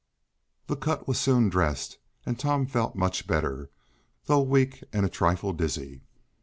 The cut was soon dressed, and Tom felt much better, though weak and a trifle dizzy.